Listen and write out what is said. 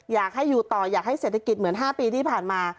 อยากให้อยู่ต่ออยากให้เศรษฐกิจเหมือน๕ปีที่ผ่านมา